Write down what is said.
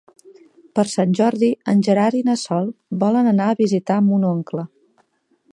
Per Sant Jordi en Gerard i na Sol volen anar a visitar mon oncle.